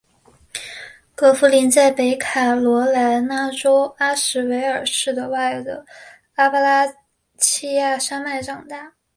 葛福临在北卡罗来纳州阿什维尔市外的阿巴拉契亚山脉长大。